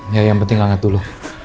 ya yang penting hangat dulu